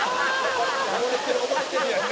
「溺れてる溺れてる。